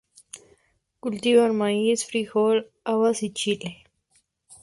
Cultivan maíz, frijol, habas y chile.